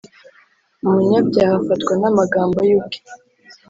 Umunyabyaha afatwa n’amagambo ye ubwe,